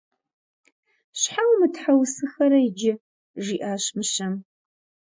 Щхьэ умытхьэусыхэрэ иджы? – жиӏащ мыщэм.